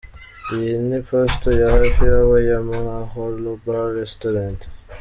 Iyi ni postel ya Happy Hour ya Mahalo Bar&Restaurant.